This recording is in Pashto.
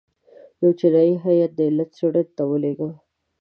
یو چینایي هیات د علت څېړنې ته ولېږه.